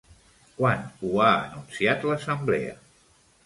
Quan ho ha anunciat l'Assemblea?